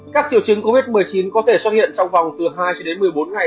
các triệu chứng covid một mươi chín có thể xuất hiện trong vòng từ hai cho đến một mươi bốn ngày